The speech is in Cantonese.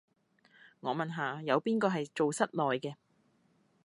我問下，有邊個係做室內嘅